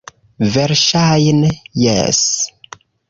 Verŝajne, jes...